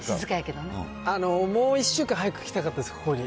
もう１週間早く来たかったです、ここに。